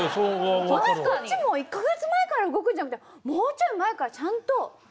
こっちも１か月前から動くんじゃなくてもうちょい前からちゃんと動けるのに。